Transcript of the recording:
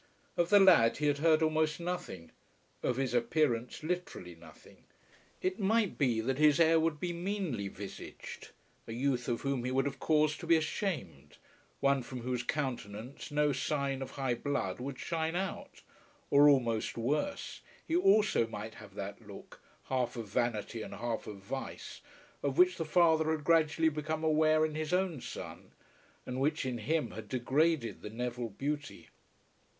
Of the lad he had heard almost nothing, of his appearance literally nothing. It might be that his heir would be meanly visaged, a youth of whom he would have cause to be ashamed, one from whose countenance no sign of high blood would shine out; or, almost worse, he also might have that look, half of vanity, and half of vice, of which the father had gradually become aware in his own son, and which in him had degraded the Neville beauty.